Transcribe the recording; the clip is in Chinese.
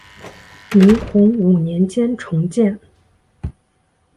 明洪武年间重建。